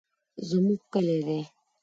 زمونږ کلي دي.